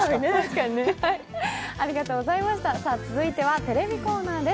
続いては、テレビコーナーです。